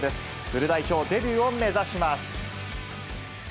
フル代表デビューを目指します。